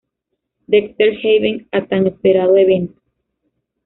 Dexter Haven a tan esperado evento.